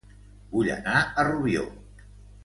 Vull anar a Rubió